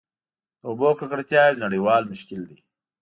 د اوبو ککړتیا یو نړیوال مشکل دی.